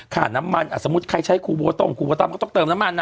ค่าน้ำมันสมมุติใครใช้ครูโบต้งครูโบตั้มก็ต้องเติมน้ำมันนะ